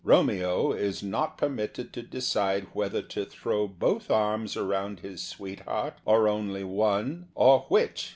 Romeo is not permitted to decide whether to throw both arms around his sweetheart or only one, or which.